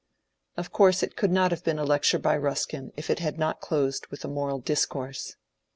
Of course it could not have been a lecture by Buskin if it had not closed with a moral discourse.